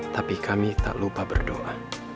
tapi kami tak lupa berdoa